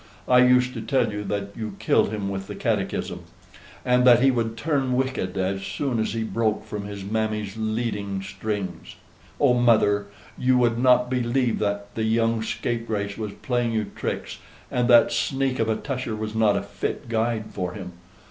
I used to tell you that you killed him with the catechism, and that he would turn wicked as soon as he broke from his mammy's leading strings. Oh, mother, you would not believe that the young scapegrace was playing you tricks, and that sneak of a Tusher was not a fit guide for him.